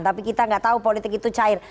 tapi kita nggak tahu politik itu cair